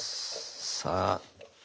さあ。